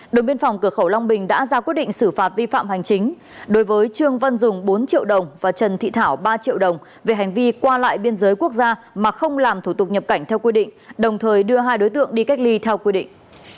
đội biên phòng cửa khẩu long bình đã ra quyết định xử phạt vi phạm hành chính đối với trương văn dùng bốn triệu đồng và trần thị thảo ba triệu đồng về hành vi qua lại biên giới quốc gia mà không làm thủ tục nhập cảnh theo quy định đồng thời đưa hai đối tượng đi cách ly theo quy định